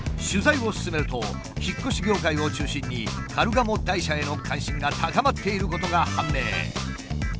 取材を進めると引っ越し業界を中心にカルガモ台車への関心が高まっていることが判明。